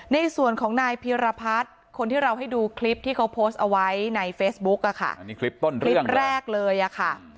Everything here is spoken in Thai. ในส่วนของนายพีรพัฒน์คนที่เราให้ดูคลิปที่เขาโพสต์เอาไว้ในเฟซบุ๊กอ่ะค่ะอันนี้คลิปต้นเรื่องคลิปแรกเลยอ่ะค่ะ